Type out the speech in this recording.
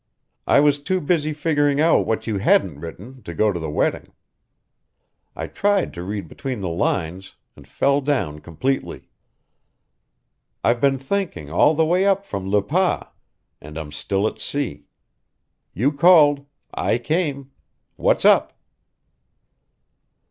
I was too busy figuring out what you hadn't written to go to the wedding. I tried to read between the lines, and fell down completely. I've been thinking all the way up from Le Pas, and I'm still at sea. You called. I came. What's up?"